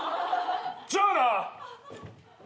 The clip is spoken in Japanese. じゃあな！